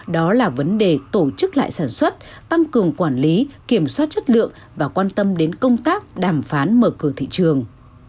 đó là vấn đề tổ chức lại sản xuất tăng cường quản lý kiểm soát chất lượng và quan tâm đến công tác đàm phán mở cửa thị trường